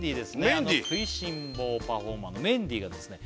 あの食いしん坊パフォーマーのメンディーがですね